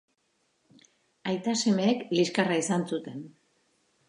Aita-semeek liskarra izan zuten.